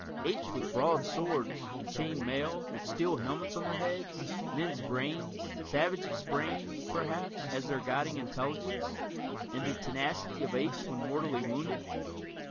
Apes with broadswords and chained mail, with steel helmets on their heads men's brains, savages' brains, perhaps, as their guiding intelligence and the tenacity of apes when mortally wounded?